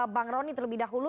bang rony terlebih dahulu